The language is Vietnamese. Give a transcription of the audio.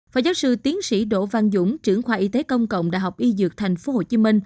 phó giáo sư tiến sĩ đỗ văn dũng trưởng khoa y tế công cộng đh y dược tp hcm